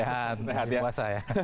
sehat masih puasa ya